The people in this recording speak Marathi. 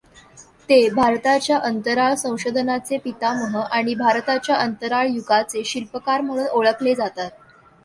ते भारताच्या अंतराळ संशोधनाचे पितामह आणि भारताच्या अंतराळ युगाचे शिल्पकार म्हणून ओळखले जातात.